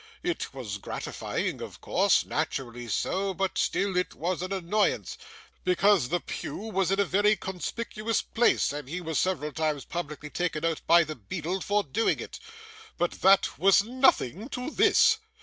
It was gratifying, of course, naturally so, but still it was an annoyance, because the pew was in a very conspicuous place, and he was several times publicly taken out by the beadle for doing it. But that was nothing to this.